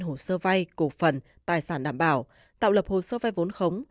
hồ sơ vay cổ phần tài sản đảm bảo tạo lập hồ sơ vay vốn khống